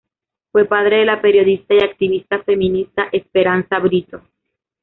Fue padre de la periodista y activista feminista Esperanza Brito.